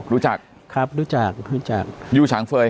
รู้จักยูฉังเฟย์ครับรู้จักรู้จัก